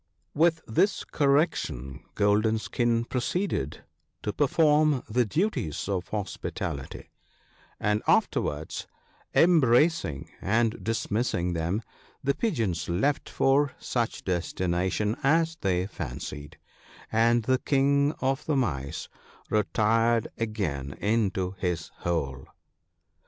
" With this correction Golden skin proceeded to perform the duties of hospitality, and afterwards, embracing and dismissing them, the pigeons left for such destination as they fancied, and the King of the Mice retired again into his hole.